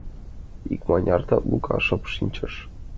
Икмыняр тат Лука шып шинчыш.